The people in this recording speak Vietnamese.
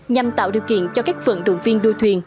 nhằm tạo điều kiện cho các vận động viên đua thuyền